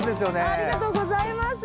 ありがとうございます。